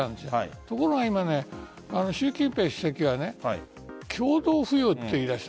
ところが今は習近平主席が共同富裕と言い出した。